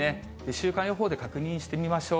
週間予報で確認してみましょう。